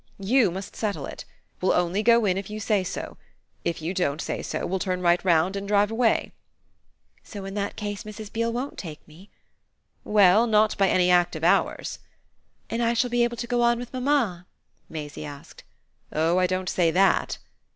You must settle it. We'll only go in if you say so. If you don't say so we'll turn right round and drive away." "So in that case Mrs. Beale won't take me?" "Well not by any act of ours." "And I shall be able to go on with mamma?" Maisie asked. "Oh I don't say that!"